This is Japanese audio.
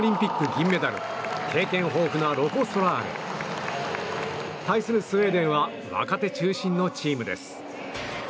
銀メダル経験豊富なロコ・ソラーレ。対するスウェーデンは若手中心のチームです。